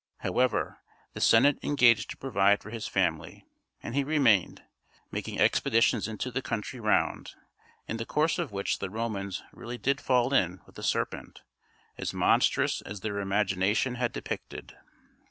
However, the Senate engaged to provide for his family, and he remained, making expeditions into the country round, in the course of which the Romans really did fall in with a serpent, as monstrous as their imagination had depicted.